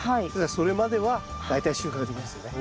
それまでは大体収穫できますね。